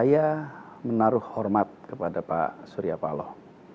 saya menaruh hormat kepada pak surya paloh